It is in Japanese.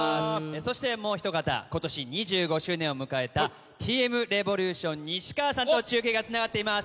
そしてもうひと方今年２５周年を迎えたＴ．Ｍ．Ｒｅｖｏｌｕｔｉｏｎ西川さんと中継がつながってます。